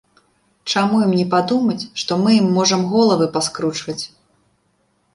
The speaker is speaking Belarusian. Чаму ім не падумаць, што мы ім можам галовы паскручваць!